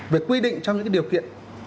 về quy định trong những cái điều kiện